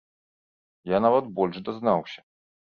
Я нават больш дазнаўся.